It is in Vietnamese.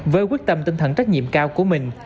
với quyết tâm tinh thần trách nhiệm cao của mình